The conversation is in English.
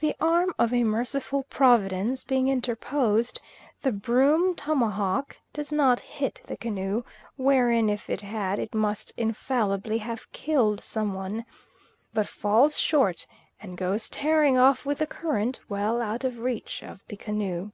The arm of a merciful Providence being interposed, the broom tomahawk does not hit the canoe, wherein, if it had, it must infallibly have killed some one, but falls short, and goes tearing off with the current, well out of reach of the canoe.